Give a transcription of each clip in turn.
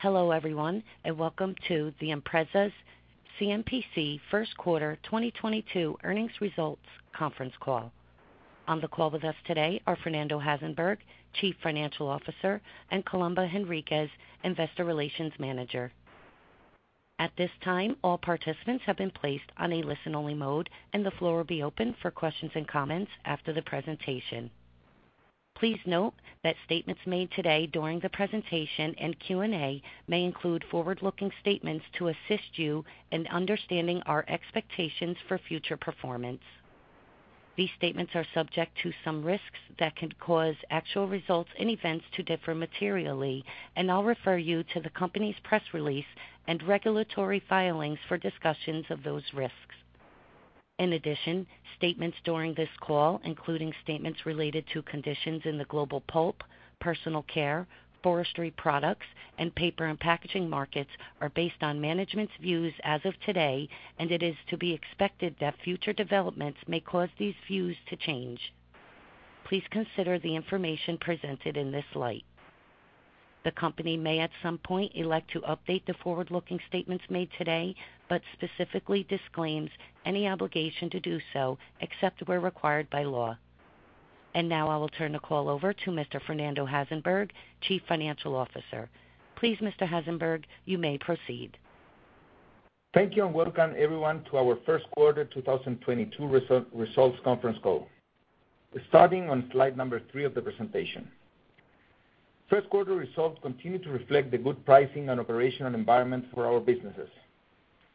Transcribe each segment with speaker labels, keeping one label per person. Speaker 1: Hello everyone, and welcome to the Empresas CMPC first quarter 2022 earnings results conference call. On the call with us today are Fernando Hasenberg, Chief Financial Officer, and Colomba Henríquez, Investor Relations Manager. At this time, all participants have been placed on a listen-only mode, and the floor will be open for questions and comments after the presentation. Please note that statements made today during the presentation and Q&A may include forward-looking statements to assist you in understanding our expectations for future performance. These statements are subject to some risks that could cause actual results and events to differ materially, and I'll refer you to the company's press release and regulatory filings for discussions of those risks. In addition, statements during this call, including statements related to conditions in the global pulp, personal care, forestry products, and paper and packaging markets, are based on management's views as of today, and it is to be expected that future developments may cause these views to change. Please consider the information presented in this light. The company may, at some point, elect to update the forward-looking statements made today, but specifically disclaims any obligation to do so except where required by law. Now I will turn the call over to Mr. Fernando Hasenberg, Chief Financial Officer. Please, Mr. Hasenberg, you may proceed.
Speaker 2: Thank you, and welcome everyone to our first quarter 2022 results conference call. Starting on slide number three of the presentation. First quarter results continue to reflect the good pricing and operational environment for our businesses.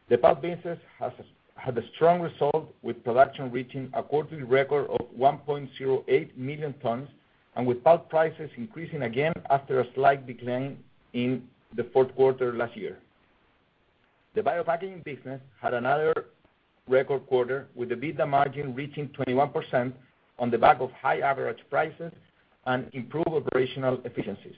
Speaker 2: The pulp business had a strong result with production reaching a quarterly record of 1.08 million tons and with pulp prices increasing again after a slight decline in the fourth quarter last year. The Biopackaging business had another record quarter with the EBITDA margin reaching 21% on the back of high average prices and improved operational efficiencies.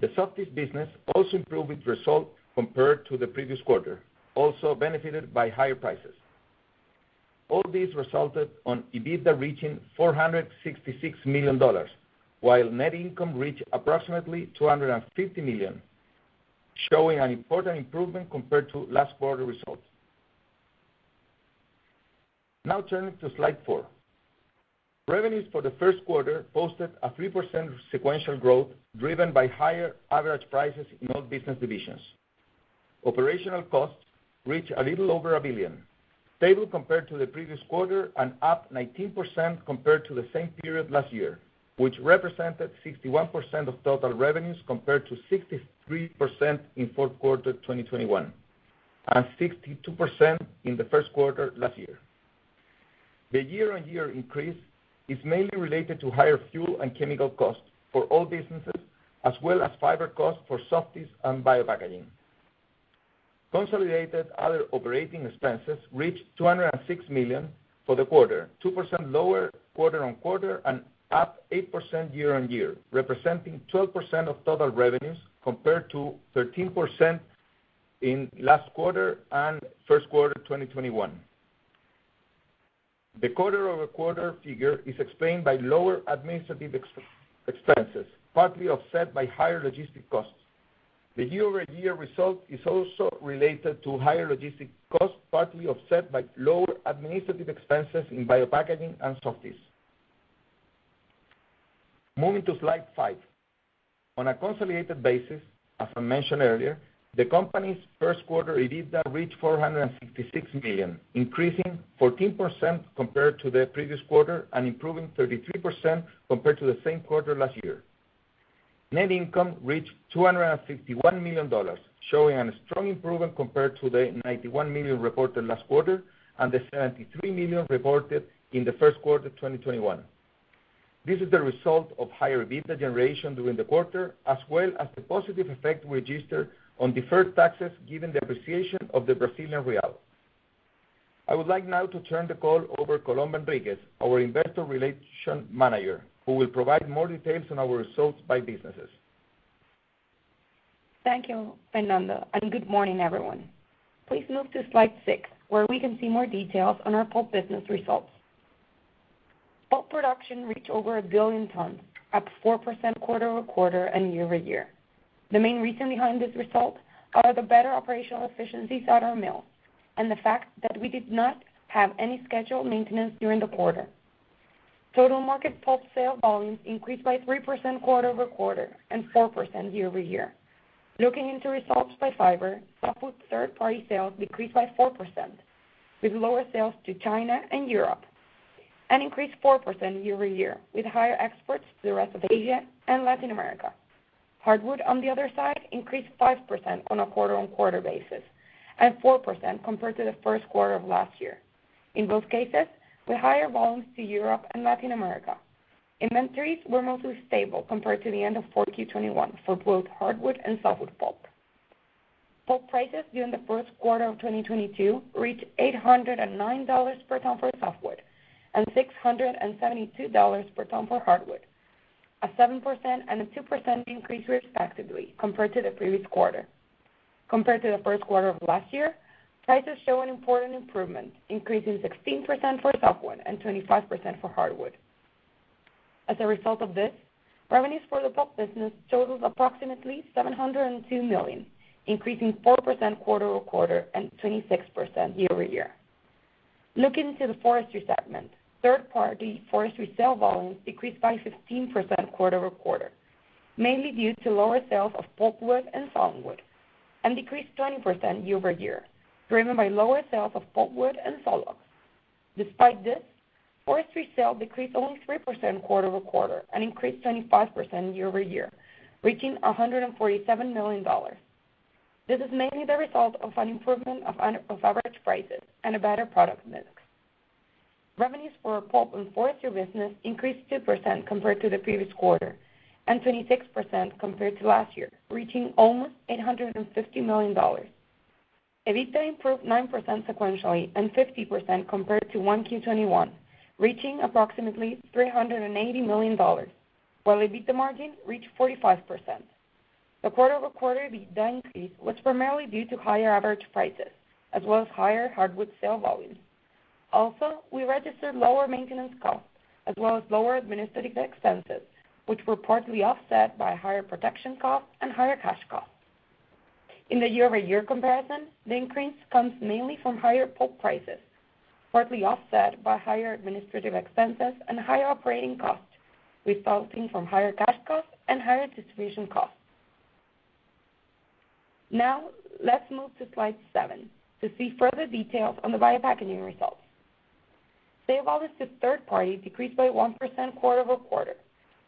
Speaker 2: The Softys business also improved its result compared to the previous quarter, also benefited by higher prices. All these resulted in EBITDA reaching $466 million, while net income reached approximately $250 million, showing an important improvement compared to last quarter results. Now turning to slide four. Revenues for the first quarter posted a 3% sequential growth driven by higher average prices in all business divisions. Operational costs reached a little over 1 billion, stable compared to the previous quarter and up 19% compared to the same period last year, which represented 61% of total revenues, compared to 63% in fourth quarter 2021, and 62% in the first quarter last year. The year-on-year increase is mainly related to higher fuel and chemical costs for all businesses, as well as fiber costs for Softys and Biopackaging. Consolidated other operating expenses reached 206 million for the quarter, 2% lower quarter-on-quarter and up 8% year-on-year, representing 12% of total revenues compared to 13% in last quarter and first quarter, 2021. The quarter-over-quarter figure is explained by lower administrative expenses, partly offset by higher logistic costs. The year-over-year result is also related to higher logistic costs, partly offset by lower administrative expenses in Biopackaging and Softys. Moving to slide five. On a consolidated basis, as I mentioned earlier, the company's first quarter EBITDA reached $466 million, increasing 14% compared to the previous quarter and improving 33% compared to the same quarter last year. Net income reached $251 million, showing a strong improvement compared to the $91 million reported last quarter and the $73 million reported in the first quarter 2021. This is the result of higher EBITDA generation during the quarter as well as the positive effect registered on deferred taxes given the appreciation of the Brazilian real. I would like now to turn the call over to Colomba Henríquez, our Investor Relations Manager, who will provide more details on our results by businesses.
Speaker 3: Thank you, Fernando, and good morning, everyone. Please move to slide six, where we can see more details on our pulp business results. Pulp production reached over 1 billion tons, up 4% quarter-over-quarter and year-over-year. The main reason behind this result are the better operational efficiencies at our mills and the fact that we did not have any scheduled maintenance during the quarter. Total market pulp sale volumes increased by 3% quarter-over-quarter and 4% year-over-year. Looking into results by fiber, softwood third-party sales decreased by 4%, with lower sales to China and Europe, and increased 4% year-over-year, with higher exports to the rest of Asia and Latin America. Hardwood, on the other side, increased 5% on a quarter-on-quarter basis, and 4% compared to the first quarter of last year. In both cases, with higher volumes to Europe and Latin America. Inventories were mostly stable compared to the end of 4Q 2021 for both hardwood and softwood pulp. Pulp prices during the first quarter of 2022 reached $809 per ton for softwood, and $672 per ton for hardwood, a 7% and a 2% increase respectively compared to the previous quarter. Compared to the first quarter of last year, prices show an important improvement, increasing 16% for softwood and 25% for hardwood. As a result of this, revenues for the pulp business totaled approximately $702 million, increasing 4% quarter-over-quarter and 26% year-over-year. Looking to the forestry segment, third-party forestry sales volumes decreased by 15% quarter-over-quarter, mainly due to lower sales of pulpwood and sawwood, and decreased 20% year-over-year, driven by lower sales of pulpwood and sawlog. Despite this, forestry sales decreased only 3% quarter-over-quarter and increased 25% year-over-year, reaching $147 million. This is mainly the result of an improvement in average prices and a better product mix. Revenues for our pulp and forestry business increased 2% compared to the previous quarter, and 26% compared to last year, reaching almost $850 million. EBITDA improved 9% sequentially and 50% compared to 1Q 2021, reaching approximately $380 million, while EBITDA margin reached 45%. The quarter-over-quarter EBITDA increase was primarily due to higher average prices as well as higher hardwood sales volumes. We registered lower maintenance costs as well as lower administrative expenses, which were partly offset by higher protection costs and higher cash costs. In the year-over-year comparison, the increase comes mainly from higher pulp prices, partly offset by higher administrative expenses and higher operating costs resulting from higher cash costs and higher distribution costs. Now, let's move to slide seven to see further details on the Biopackaging results. Sales volumes to third party decreased by 1% quarter-over-quarter,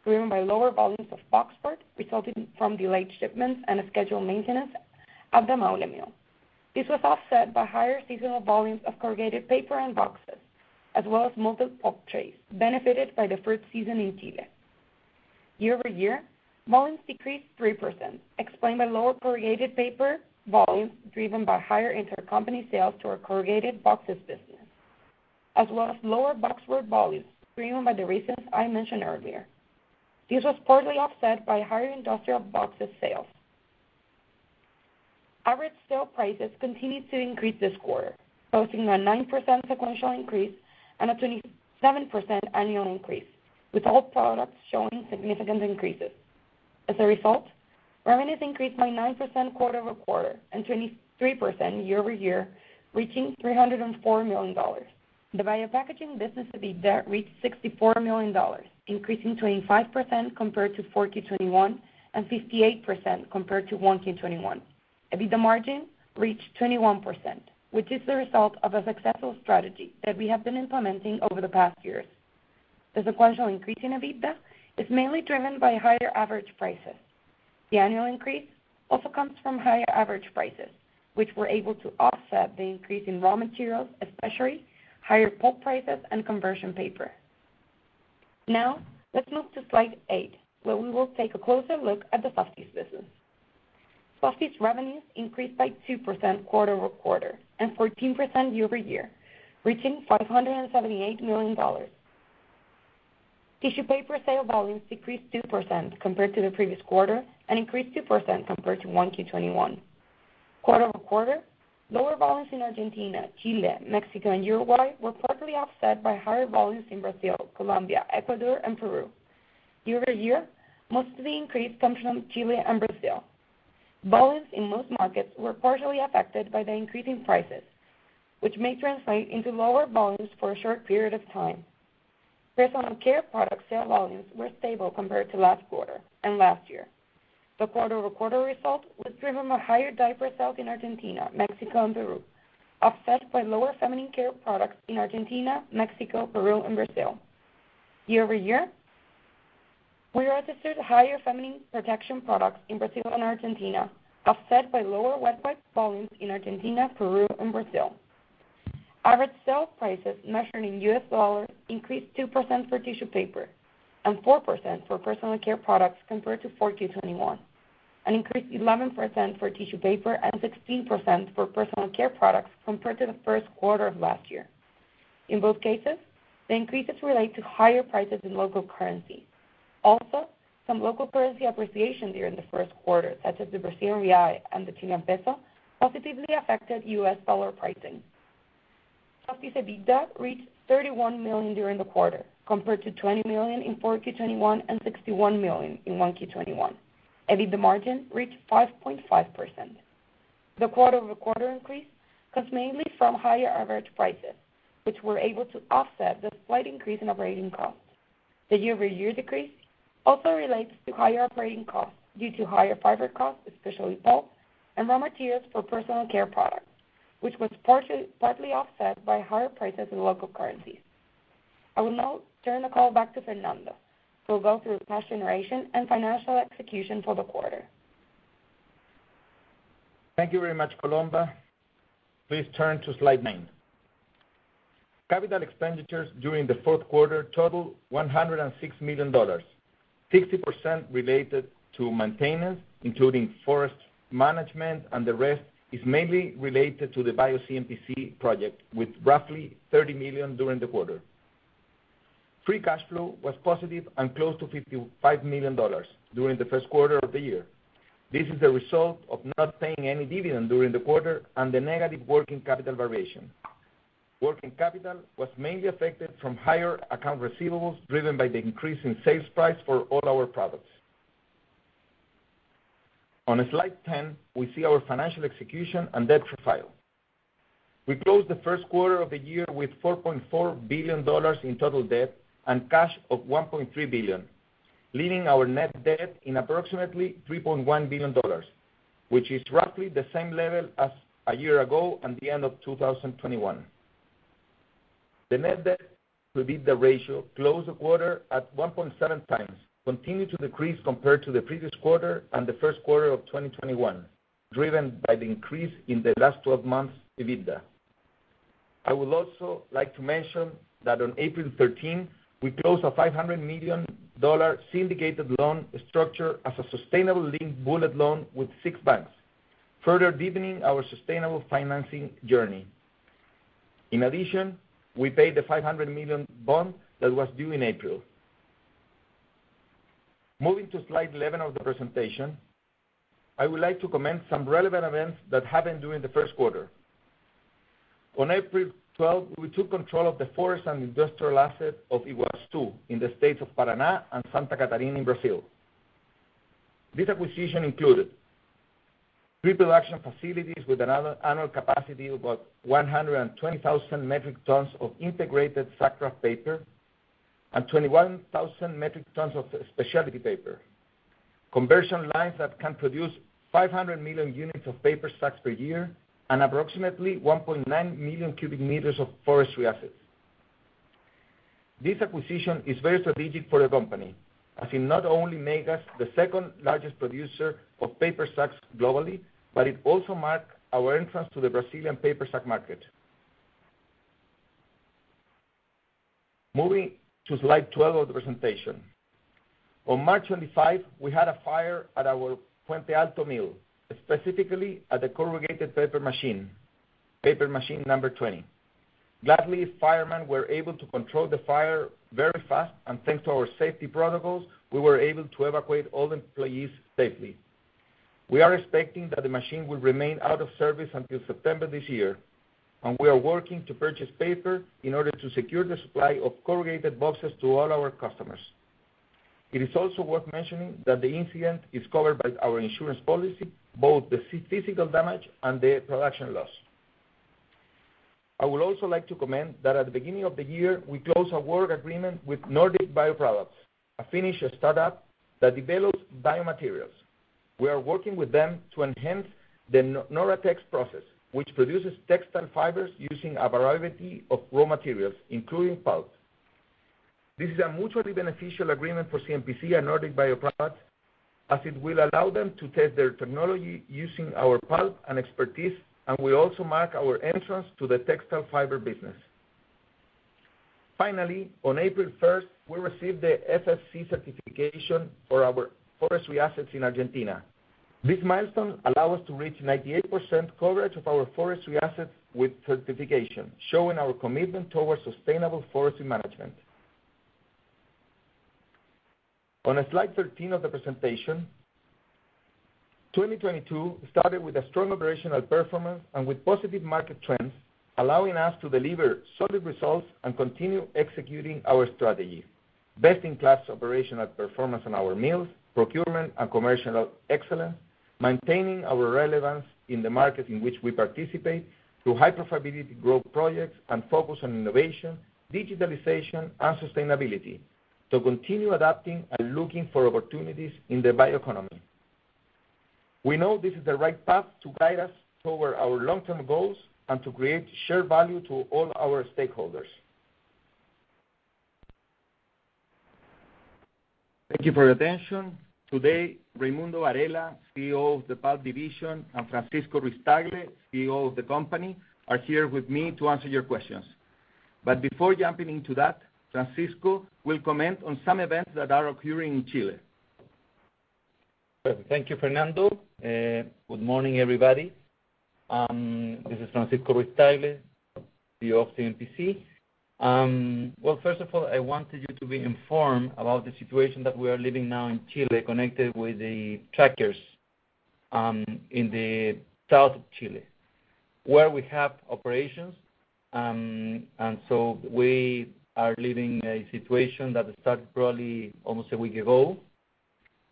Speaker 3: driven by lower volumes of boxboard resulting from delayed shipments and a scheduled maintenance at the Maule mill. This was offset by higher seasonal volumes of corrugated paper and boxes, as well as molded pulp trays benefited by the fruit season in Chile. Year-over-year, volumes decreased 3%, explained by lower corrugated paper volumes driven by higher intercompany sales to our corrugated boxes business, as well as lower boxboard volumes driven by the reasons I mentioned earlier. This was partly offset by higher industrial boxes sales. Average sale prices continued to increase this quarter, posting a 9% sequential increase and a 27% annual increase, with all products showing significant increases. As a result, revenues increased by 9% quarter-over-quarter and 23% year-over-year, reaching $304 million. The Biopackaging business EBITDA reached $64 million, increasing 25% compared to 4Q 2021 and 58% compared to 1Q 2021. EBITDA margin reached 21%, which is the result of a successful strategy that we have been implementing over the past years. The sequential increase in EBITDA is mainly driven by higher average prices. The annual increase also comes from higher average prices, which were able to offset the increase in raw materials, especially higher pulp prices and conversion paper. Now, let's move to slide eight, where we will take a closer look at the Softys business. Softys revenues increased by 2% quarter-over-quarter and 14% year-over-year, reaching $578 million. Tissue paper sales volumes decreased 2% compared to the previous quarter and increased 2% compared to 1Q 2021. Quarter-over-quarter, lower volumes in Argentina, Chile, Mexico, and Uruguay were partly offset by higher volumes in Brazil, Colombia, Ecuador, and Peru. Year-over-year, most of the increase comes from Chile and Brazil. Volumes in most markets were partially affected by the increase in prices, which may translate into lower volumes for a short period of time. Personal care products sale volumes were stable compared to last quarter and last year. The quarter-over-quarter result was driven by higher diaper sales in Argentina, Mexico, and Peru, offset by lower feminine care products in Argentina, Mexico, Peru, and Brazil. Year-over-year, we registered higher feminine protection products in Brazil and Argentina, offset by lower wet wipe volumes in Argentina, Peru, and Brazil. Average sales prices measured in U.S. dollars increased 2% for tissue paper and 4% for personal care products compared to 4Q21, and increased 11% for tissue paper and 16% for personal care products compared to the first quarter of last year. In both cases, the increases relate to higher prices in local currency. Some local currency appreciation during the first quarter, such as the Brazilian real and the Chilean peso, positively affected US dollar pricing. Softys EBITDA reached $31 million during the quarter, compared to $20 million in 4Q 2021 and $61 million in 1Q 2021. EBITDA margin reached 5.5%. The quarter-over-quarter increase comes mainly from higher average prices, which were able to offset the slight increase in operating costs. The year-over-year decrease also relates to higher operating costs due to higher fiber costs, especially pulp and raw materials for personal care products, which was partially offset by higher prices in local currencies. I will now turn the call back to Fernando, who will go through cash generation and financial execution for the quarter.
Speaker 2: Thank you very much, Colomba. Please turn to slide nine. Capital expenditures during the fourth quarter totaled $106 million, 60% related to maintenance, including forest management, and the rest is mainly related to the BioCMPC project with roughly $30 million during the quarter. Free cash flow was positive and close to $55 million during the first quarter of the year. This is a result of not paying any dividend during the quarter and the negative working capital variation. Working capital was mainly affected from higher account receivables, driven by the increase in sales price for all our products. On slide ten, we see our financial execution and debt profile. We closed the first quarter of the year with $4.4 billion in total debt and cash of $1.3 billion, leaving our net debt in approximately $3.1 billion, which is roughly the same level as a year ago and the end of 2021. The net debt to EBITDA ratio closed the quarter at 1.7x, continued to decrease compared to the previous quarter and the first quarter of 2021, driven by the increase in the last 12 months EBITDA. I would also like to mention that on April 13, we closed a $500 million syndicated loan structure as a sustainable linked bullet loan with six banks, further deepening our sustainable financing journey. In addition, we paid the $500 million bond that was due in April. Moving to slide 11 of the presentation, I would like to comment some relevant events that happened during the first quarter. On April 12, we took control of the forest and industrial asset of Iguaçu in the states of Paraná and Santa Catarina in Brazil. This acquisition included three production facilities with another annual capacity of about 120,000 metric tons of integrated sack kraft paper and 21,000 metric tons of specialty paper. Conversion lines that can produce 500 million units of paper sacks per year, and approximately 1.9 million cubic meters of forestry assets. This acquisition is very strategic for the company, as it not only make us the second-largest producer of paper sacks globally, but it also mark our entrance to the Brazilian paper sack market. Moving to slide 12 of the presentation. On March 25, we had a fire at our Puente Alto mill, specifically at the corrugated paper machine, paper machine number 20. Luckily, firemen were able to control the fire very fast, and thanks to our safety protocols, we were able to evacuate all the employees safely. We are expecting that the machine will remain out of service until September this year, and we are working to purchase paper in order to secure the supply of corrugated boxes to all our customers. It is also worth mentioning that the incident is covered by our insurance policy, both the physical damage and the production loss. I would also like to comment that at the beginning of the year, we closed a work agreement with Nordic Bioproducts Group, a Finnish startup that develops biomaterials. We are working with them to enhance the Norratex process, which produces textile fibers using a variety of raw materials, including pulp. This is a mutually beneficial agreement for CMPC and Nordic Bioproducts, as it will allow them to test their technology using our pulp and expertise, and will also mark our entrance to the textile fiber business. Finally, on April 1, we received the FSC certification for our forestry assets in Argentina. This milestone allow us to reach 98% coverage of our forestry assets with certification, showing our commitment towards sustainable forestry management. On slide 13 of the presentation, 2022 started with a strong operational performance and with positive market trends, allowing us to deliver solid results and continue executing our strategy. Best-in-class operational performance in our mills, procurement and commercial excellence, maintaining our relevance in the market in which we participate through high profitability growth projects and focus on innovation, digitalization and sustainability to continue adapting and looking for opportunities in the bioeconomy. We know this is the right path to guide us toward our long-term goals and to create shared value to all our stakeholders. Thank you for your attention. Today, Raimundo Varela, CEO of the Pulp Division, and Francisco Ruiz-Tagle, CEO of the company, are here with me to answer your questions. Before jumping into that, Francisco will comment on some events that are occurring in Chile.
Speaker 4: Perfect. Thank you, Fernando. Good morning, everybody. This is Francisco Ruiz-Tagle, CEO of CMPC. Well, first of all, I wanted you to be informed about the situation that we are living now in Chile, connected with the truckers, in the south of Chile, where we have operations. We are living a situation that started probably almost a week ago,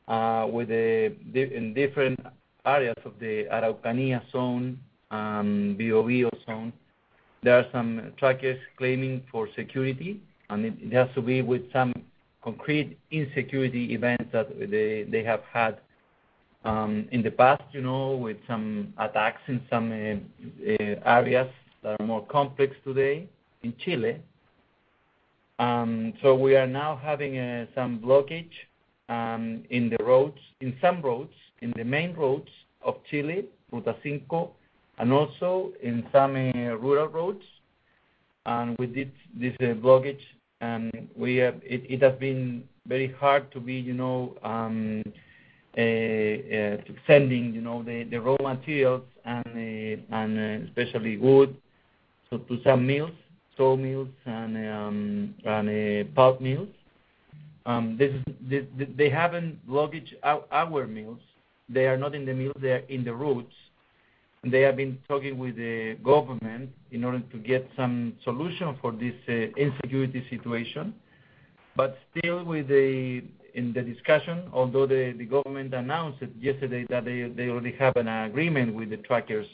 Speaker 4: in different areas of the Araucanía zone, Biobío zone. There are some truckers claiming for security, and it has to be with some concrete insecurity events that they have had, in the past, you know, with some attacks in some areas that are more complex today in Chile. We are now having some blockage in the roads, in some roads, in the main roads of Chile, Ruta Cinco, and also in some rural roads. With it, this blockage, we have it has been very hard to be, you know, sending, you know, the raw materials and especially wood to some mills, saw mills and pulp mills. They haven't blockaded our mills. They are not in the mills, they are in the roads. They have been talking with the government in order to get some solution for this insecurity situation. Still in the discussion, although the government announced it yesterday that they already have an agreement with the truckers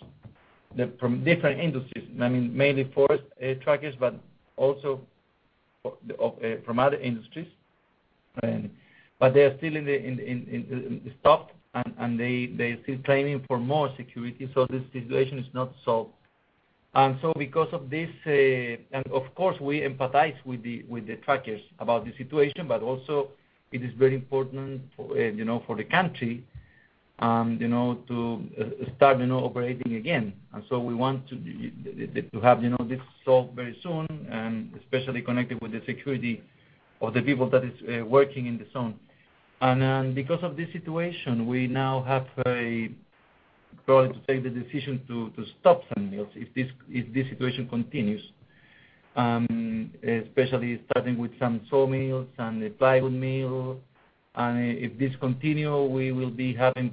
Speaker 4: from different industries, I mean, mainly forest truckers, but also from other industries. They are still stopped and they are still claiming for more security, so this situation is not solved. Because of this, and of course, we empathize with the truckers about the situation, but also it is very important for you know for the country you know to start you know operating again. We want to have you know this solved very soon, and especially connected with the security of the people that is working in the zone. Because of this situation, we now have a problem to take the decision to stop some mills if this situation continues, especially starting with some sawmills and the plywood mill. If this continues, we will be having a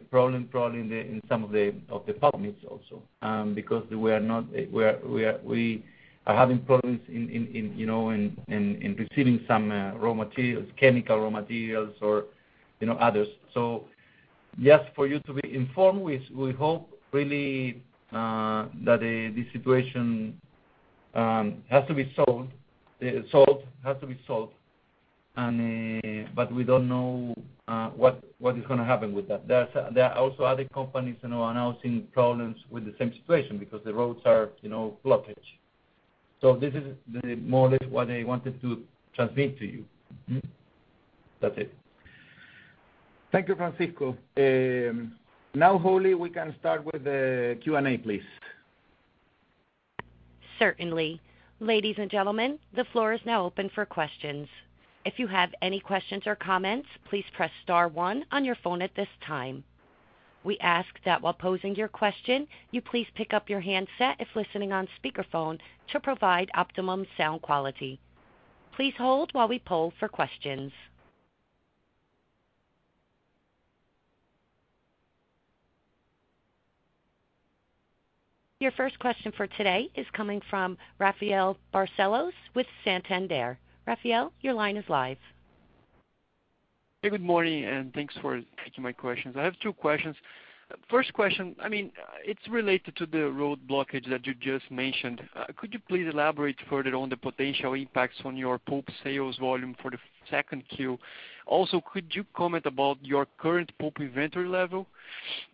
Speaker 4: problem probably in some of the pulp mills also, because we are having problems in, you know, receiving some raw materials, chemical raw materials or, you know, others. Just for you to be informed, we hope really that this situation has to be solved. But we don't know what is gonna happen with that. There are also other companies, you know, announcing problems with the same situation because the roads are, you know, blockaded. This is more or less what I wanted to transmit to you. That's it.
Speaker 2: Thank you, Francisco. Now, Holly, we can start with the Q&A, please.
Speaker 1: Certainly. Ladies and gentlemen, the floor is now open for questions. If you have any questions or comments, please press star one on your phone at this time. We ask that while posing your question, you please pick up your handset if listening on speakerphone to provide optimum sound quality. Please hold while we poll for questions. Your first question for today is coming from Rafael Barcellos with Santander. Rafael, your line is live.
Speaker 5: Hey, good morning, and thanks for taking my questions. I have two questions. First question, I mean, it's related to the road blockage that you just mentioned. Could you please elaborate further on the potential impacts on your pulp sales volume for the second Q? Also, could you comment about your current pulp inventory level?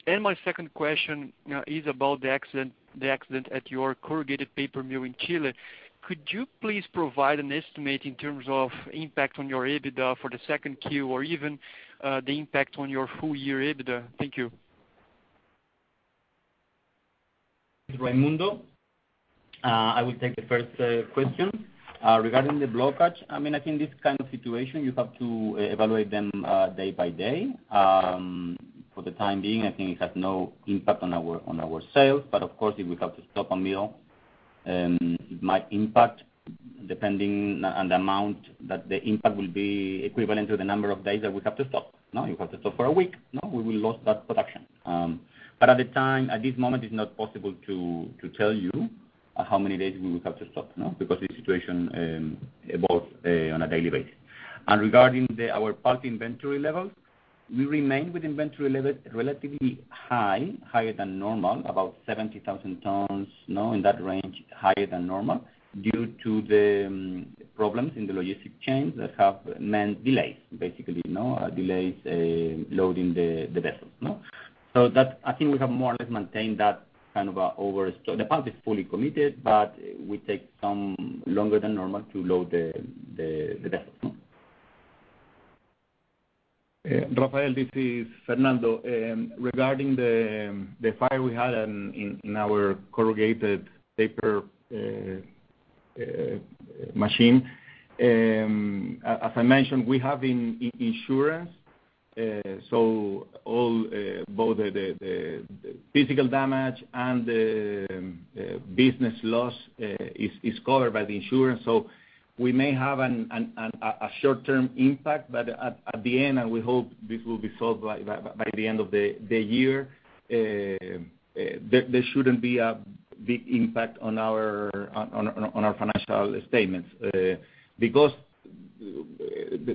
Speaker 5: My second question, you know, is about the accident at your corrugated paper mill in Chile. Could you please provide an estimate in terms of impact on your EBITDA for the second Q or even the impact on your full year EBITDA? Thank you.
Speaker 6: I will take the first question. Regarding the blockage, I mean, I think this kind of situation, you have to evaluate them day by day. For the time being, I think it has no impact on our sales. Of course, if we have to stop a mill, it might impact depending on the amount that the impact will be equivalent to the number of days that we have to stop, you know. If we have to stop for a week, you know, we will lose that production. At the time, at this moment, it's not possible to tell you how many days we would have to stop, you know, because the situation evolves on a daily basis. Regarding our pulp inventory levels, we remain with inventory level relatively high, higher than normal, about 70,000 tons, you know, in that range, higher than normal due to the problems in the logistic chains that have meant delays, basically, you know, loading the vessels, you know. The pulp is fully committed, but we take some longer than normal to load the vessels, you know.
Speaker 2: Rafael, this is Fernando. Regarding the fire we had in our corrugated paper machine, as I mentioned, we have insurance. So both the physical damage and the business loss is covered by the insurance. We may have a short-term impact, but at the end, we hope this will be solved by the end of the year; there shouldn't be a big impact on our financial statements. Because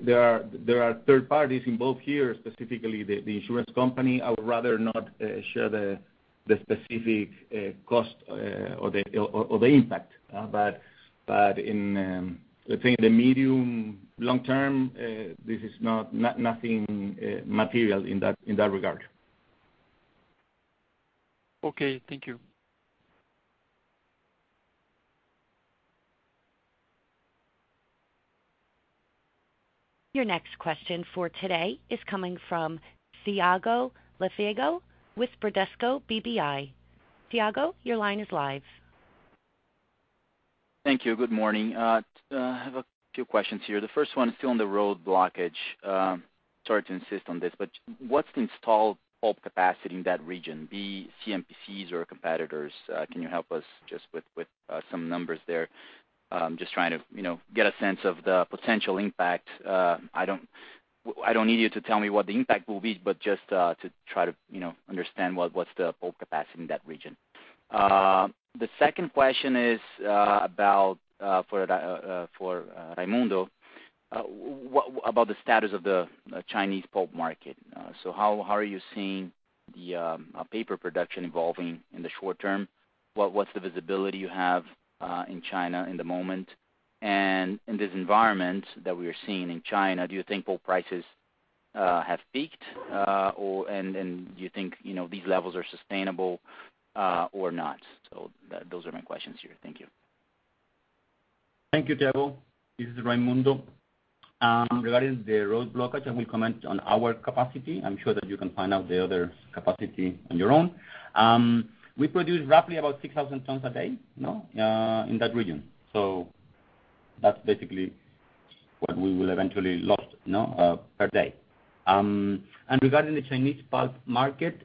Speaker 2: there are third parties involved here, specifically the insurance company, I would rather not share the specific cost or the impact. I think in the medium, long term, this is not nothing material in that regard.
Speaker 5: Okay. Thank you.
Speaker 1: Your next question for today is coming from Thiago Lofiego with Bradesco BBI. Thiago, your line is live.
Speaker 7: Thank you. Good morning. I have a few questions here. The first one is still on the road blockage. Sorry to insist on this, but what's the installed pulp capacity in that region, be it CMPC's or competitors? Can you help us just with some numbers there? Just trying to, you know, get a sense of the potential impact. I don't need you to tell me what the impact will be, but just to try to, you know, understand what's the pulp capacity in that region. The second question is about for Raimundo. What about the status of the Chinese pulp market. So how are you seeing the paper production evolving in the short term? What's the visibility you have in China at the moment? In this environment that we are seeing in China, do you think pulp prices have peaked or do you think, you know, these levels are sustainable or not? Those are my questions here. Thank you.
Speaker 6: Thank you, Thiago Lofiego. This is Raimundo Varela. Regarding the road blockage, I will comment on our capacity. I'm sure that you can find out the other capacity on your own. We produce roughly about 6,000 tons a day, you know, in that region. That's basically what we will eventually lost, you know, per day. Regarding the Chinese pulp market,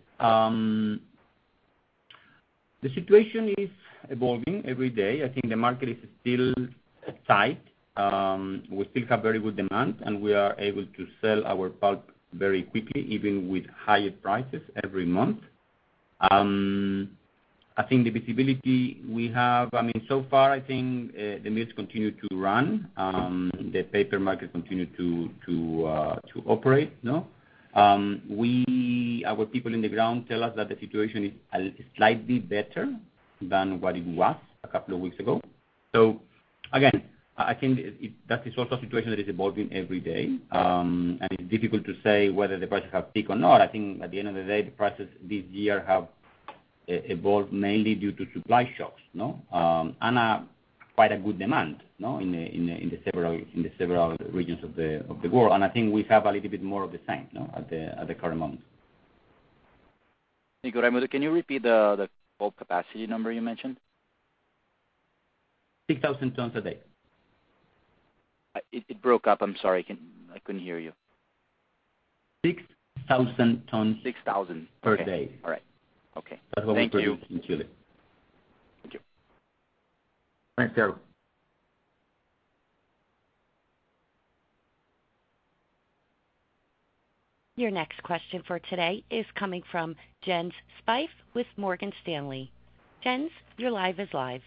Speaker 6: the situation is evolving every day. I think the market is still tight. We still have very good demand, and we are able to sell our pulp very quickly, even with higher prices every month. I think the visibility we have, I mean, so far, I think, the mills continue to run, the paper market continue to operate, you know.
Speaker 4: Our people on the ground tell us that the situation is slightly better than what it was a couple of weeks ago. Again, I think it. That is also a situation that is evolving every day. It's difficult to say whether the prices have peaked or not. I think at the end of the day, the prices this year have evolved mainly due to supply shocks, you know, and quite a good demand, you know, in the several regions of the world. I think we have a little bit more of the same, you know, at the current moment.
Speaker 7: Hey, Raimundo, can you repeat the pulp capacity number you mentioned?
Speaker 6: 6,000 tons a day.
Speaker 7: It broke up. I'm sorry. I couldn't hear you.
Speaker 6: 6,000 tons.
Speaker 7: 6,000.
Speaker 6: per day.
Speaker 7: All right. Okay.
Speaker 6: That's what we produce in Chile.
Speaker 7: Thank you.
Speaker 3: Thanks, Thiago Lofiego.
Speaker 1: Your next question for today is coming from Jens Spiess with Morgan Stanley. Jens, your line is live.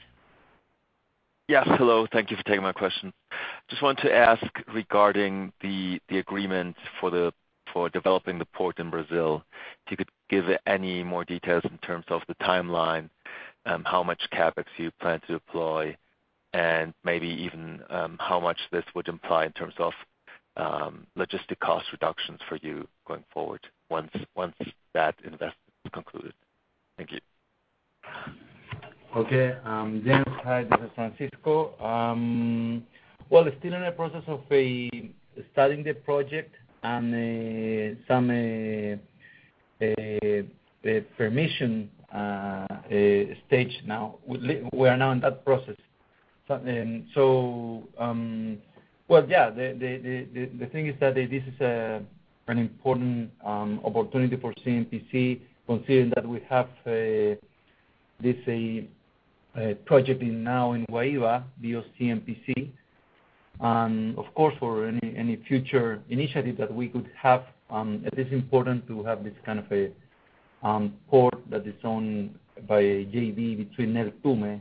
Speaker 8: Yes. Hello. Thank you for taking my question. Just wanted to ask regarding the agreement for developing the port in Brazil, if you could give any more details in terms of the timeline, how much CapEx you plan to deploy, and maybe even how much this would imply in terms of logistic cost reductions for you going forward once that investment is concluded. Thank you.
Speaker 4: Okay. Jens, hi, this is Francisco. Well, we're still in a process of studying the project and some permission stage now. We are now in that process. Well, yeah, the thing is that this is an important opportunity for CMPC considering that we have this project now in Guaíba, the BioCMPC. Of course, for any future initiative that we could have, it is important to have this kind of a port that is owned by a JV between Neltume,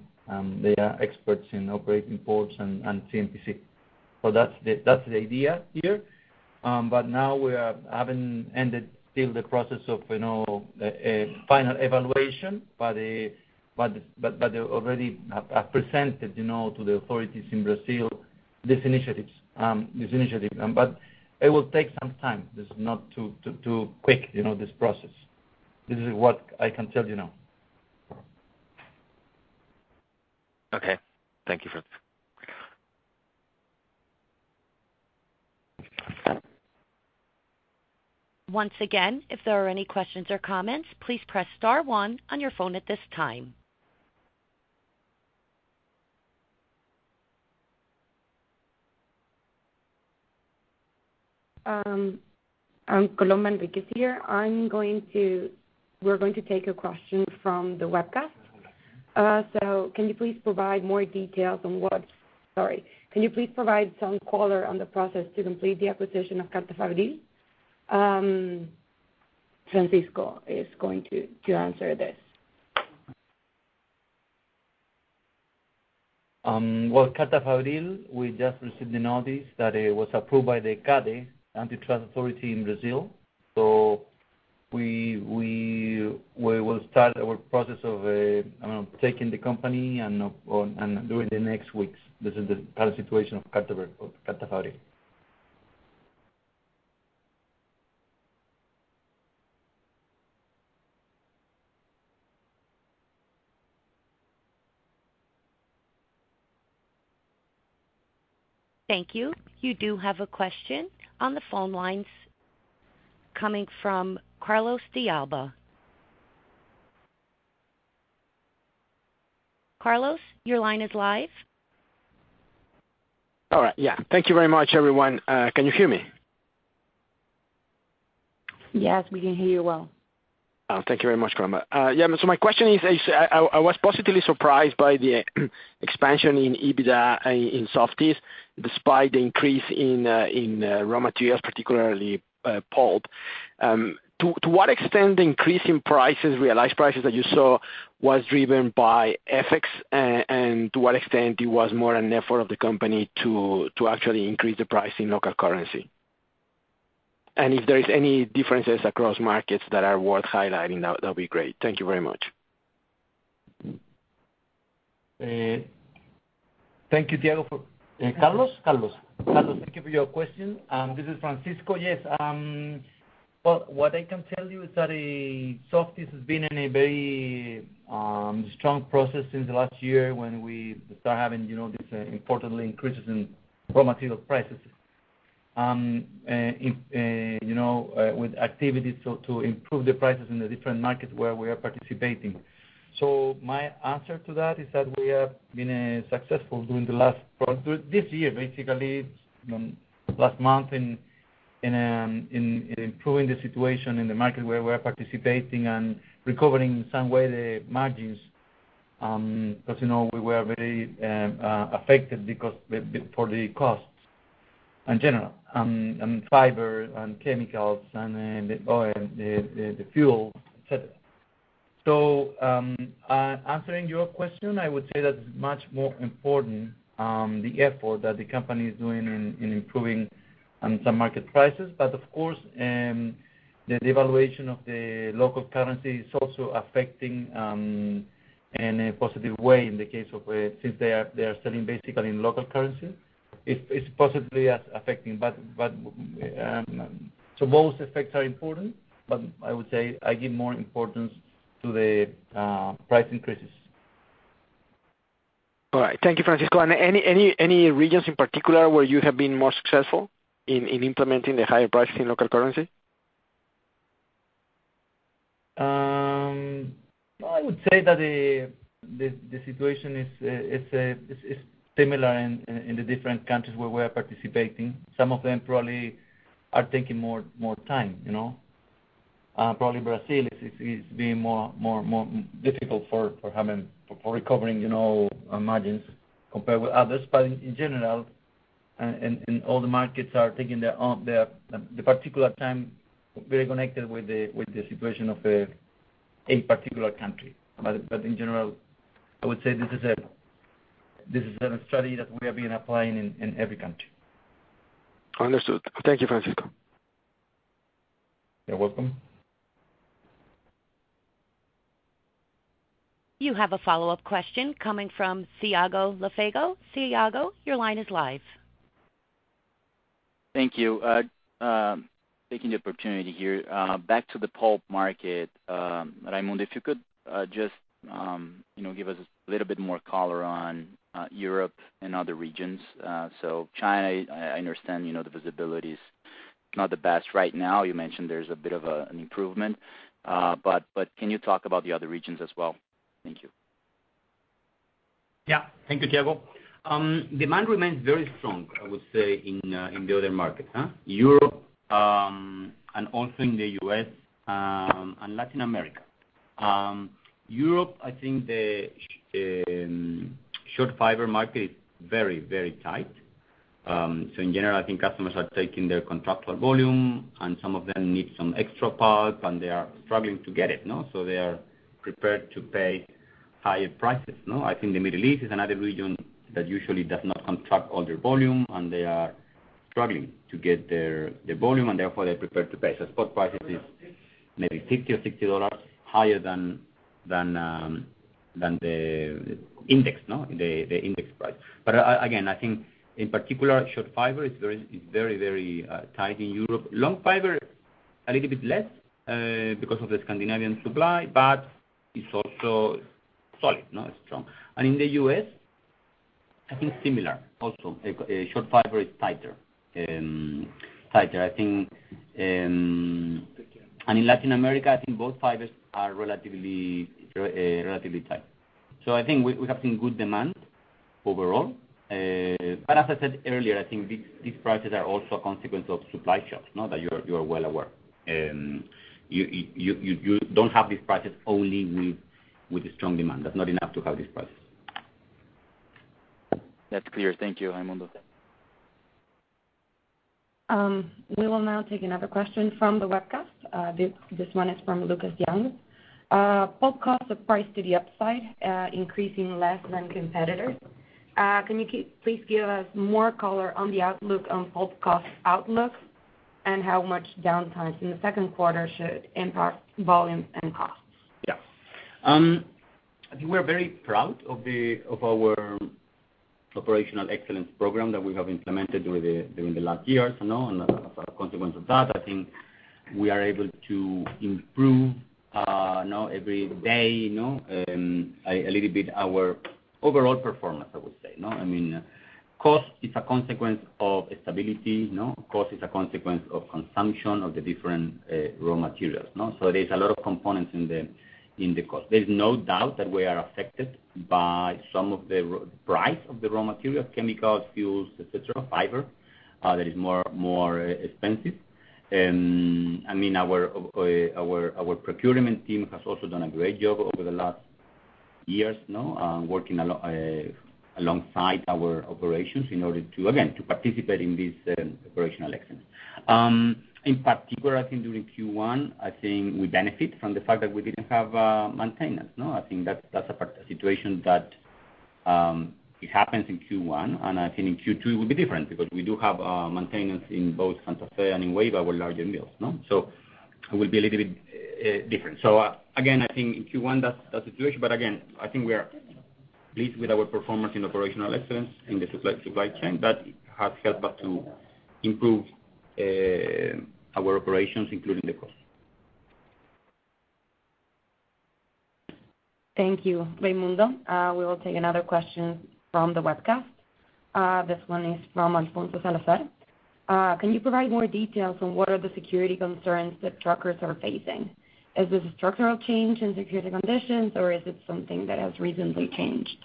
Speaker 4: they are experts in operating ports and CMPC. That's the idea here. But now we are. Haven't ended still the process of, you know, final evaluation, but already have presented, you know, to the authorities in Brazil, this initiative. It will take some time. This is not too quick, you know, this process. This is what I can tell you now.
Speaker 8: Okay. Thank you, Francisco.
Speaker 1: Once again, if there are any questions or comments, please press star one on your phone at this time.
Speaker 3: I'm Colomba Henríquez here. We're going to take a question from the webcast. Can you please provide some color on the process to complete the acquisition of Carta Fabril? Francisco is going to answer this.
Speaker 4: Well, Carta Fabril, we just received the notice that it was approved by the CADE, Antitrust Authority in Brazil. We will start our process of taking the company and during the next weeks. This is the current situation of Carta Fabril.
Speaker 1: Thank you. You do have a question on the phone lines coming from Carlos de Alba. Carlos, your line is live.
Speaker 9: All right. Yeah. Thank you very much, everyone. Can you hear me?
Speaker 3: Yes, we can hear you well.
Speaker 9: Thank you very much, Colomba Henríquez. Yeah, my question is, I was positively surprised by the expansion in EBITDA in Softys despite the increase in raw materials, particularly pulp. To what extent the increase in prices, realized prices that you saw was driven by FX and to what extent it was more an effort of the company to actually increase the price in local currency? If there is any differences across markets that are worth highlighting, that'd be great. Thank you very much.
Speaker 4: Thank you, Carlos, thank you for your question. This is Francisco. Well, what I can tell you is that Softys has been in a very strong process since last year when we start having, you know, this important increases in raw material prices, and with activities so to improve the prices in the different markets where we are participating. My answer to that is that we have been successful during the last quarter this year, basically, last month in improving the situation in the market where we're participating and recovering in some way the margins, because, you know, we were very affected because of the costs in general, fiber and chemicals and the oil, the fuel, et cetera. Answering your question, I would say that's much more important, the effort that the company is doing in improving some market prices. Of course, the devaluation of the local currency is also affecting in a positive way in the case of, since they are selling basically in local currency. It's positively affecting. Both effects are important, but I would say I give more importance to the price increases.
Speaker 9: All right. Thank you, Francisco. Any regions in particular where you have been more successful in implementing the higher pricing local currency?
Speaker 4: Well, I would say that the situation is similar in the different countries where we're participating. Some of them probably are taking more time, you know. Probably Brazil is being more difficult for recovering, you know, margins compared with others. In general, all the markets are taking their own particular time very connected with the situation of a particular country. In general, I would say this is a strategy that we have been applying in every country.
Speaker 9: Understood. Thank you, Francisco.
Speaker 4: You're welcome.
Speaker 1: You have a follow-up question coming from Thiago Lofiego. Thiago, your line is live.
Speaker 7: Thank you. Taking the opportunity here, back to the pulp market, Raimundo, if you could, just, you know, give us a little bit more color on Europe and other regions. China, I understand, you know, the visibility is not the best right now. You mentioned there's a bit of an improvement. But can you talk about the other regions as well? Thank you.
Speaker 6: Yeah. Thank you, Thiago. Demand remains very strong, I would say, in the other markets, huh? Europe, and also in the U.S., and Latin America. Europe, I think the short fiber market is very tight. So in general, I think customers are taking their contractual volume, and some of them need some extra pulp, and they are struggling to get it. No? So they are prepared to pay higher prices. No? I think the Middle East is another region that usually does not contract all their volume, and they are struggling to get their volume, and therefore they're prepared to pay. So spot prices is maybe $50 or $60 higher than the index, no? The index price. But again, I think in particular, short fiber is very tight in Europe. Long fiber, a little bit less, because of the Scandinavian supply. It's also solid, not strong. In the U.S., I think similar also. Short fiber is tighter. I think. In Latin America, I think both fibers are relatively tight. I think we have seen good demand overall. As I said earlier, I think these prices are also a consequence of supply shocks, no? That you're well aware. You don't have these prices only with strong demand. That's not enough to have these prices.
Speaker 7: That's clear. Thank you, Raimundo.
Speaker 3: We will now take another question from the webcast. This one is from Lucas Young. Pulp costs are priced to the upside, increasing less than competitors. Can you please give us more color on the outlook on pulp cost outlook and how much downtimes in the second quarter should impact volumes and costs?
Speaker 6: Yeah. I think we're very proud of our operational excellence program that we have implemented during the last years, you know. As a consequence of that, I think we are able to improve now every day, you know, a little bit our overall performance, I would say. No?, I mean, cost is a consequence of stability, you know. Cost is a consequence of consumption of the different raw materials, no? There's a lot of components in the cost. There's no doubt that we are affected by some of the price of the raw materials, chemicals, fuels, et cetera, fiber that is more expensive. I mean, our procurement team has also done a great job over the last years, no, working alongside our operations in order to, again, to participate in this operational excellence. In particular, I think during Q1, I think we benefit from the fact that we didn't have maintenance, no? I think that's a situation that it happens in Q1, and I think in Q2 it will be different because we do have maintenance in both Santa Fe and in Guaiba, our larger mills, no? It will be a little bit different. Again, I think in Q1 that's the situation. Again, I think we are pleased with our performance in operational excellence in the supply chain. That has helped us to improve our operations, including the cost.
Speaker 3: Thank you, Raimundo. We will take another question from the webcast. This one is from Alfonso Salazar. Can you provide more details on what are the security concerns that truckers are facing? Is this a structural change in security conditions, or is it something that has recently changed?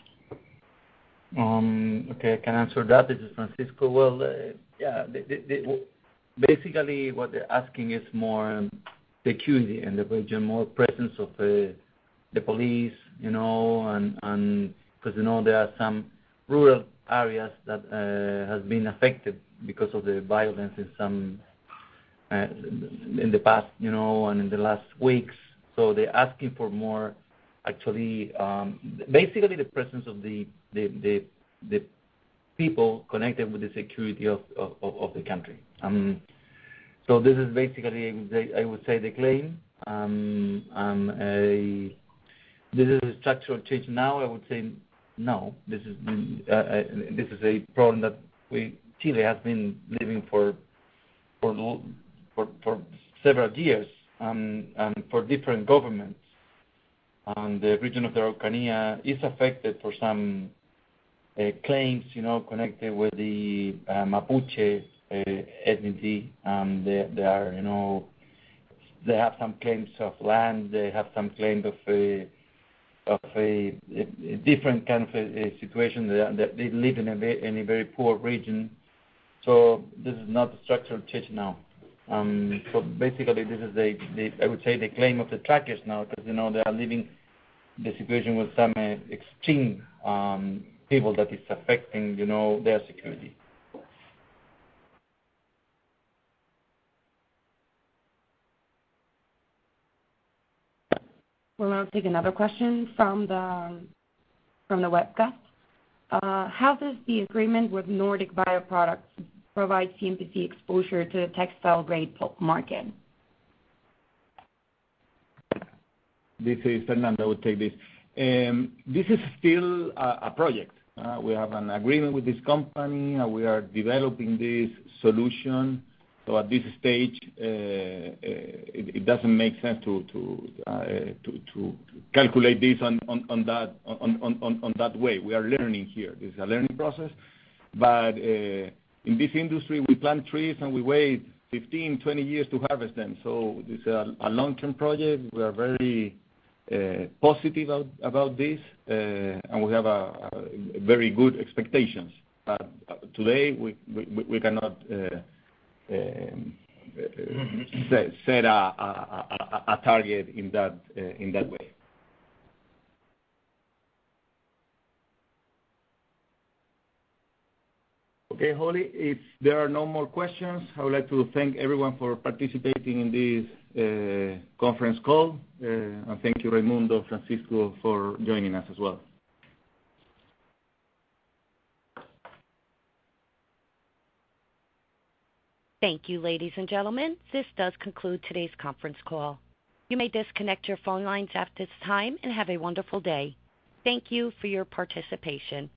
Speaker 4: Okay, I can answer that. This is Francisco. Well, yeah, basically, what they're asking is more security in the region, more presence of the police, you know, and 'cause, you know, there are some rural areas that has been affected because of the violence in some in the past, you know, and in the last weeks. They're asking for more, actually, basically the presence of the people connected with the security of the country. This is basically, I would say, the claim. This is a structural change? Now, I would say no. This is a problem that Chile has been living for several years, and for different governments. The region of the Araucanía is affected for some claims, you know, connected with the Mapuche ethnicity. They have some claims of land. They have some claims of a different kind of a situation. They live in a very poor region. This is not a structural change now. Basically this is the, I would say the claim of the truckers now, 'cause, you know, they are living the situation with some extreme people that is affecting, you know, their security.
Speaker 3: Well, I'll take another question from the webcast. How does the agreement with Nordic Bioproducts Group provide CMPC exposure to the textile grade pulp market?
Speaker 2: This is Fernando. I will take this. This is still a project. We have an agreement with this company, and we are developing this solution. At this stage, it doesn't make sense to calculate this on that way. We are learning here. This is a learning process. In this industry, we plant trees, and we wait 15, 20 years to harvest them. This a long-term project. We are very positive about this, and we have very good expectations. Today, we cannot set a target in that way. Okay. Holly, if there are no more questions, I would like to thank everyone for participating in this conference call. Thank you, Raimundo, Francisco, for joining us as well.
Speaker 1: Thank you, ladies and gentlemen. This does conclude today's conference call. You may disconnect your phone lines at this time, and have a wonderful day. Thank you for your participation.